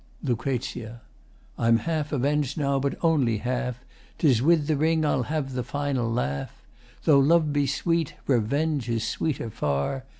] LUC. I'm half avenged now, but only half: 'Tis with the ring I'll have the final laugh! Tho' love be sweet, revenge is sweeter far.